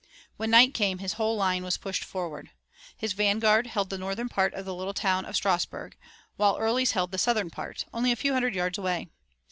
When night came his whole line was pushed forward. His vanguard held the northern part of the little town of Strasburg, while Early's held the southern part, only a few hundred yards away.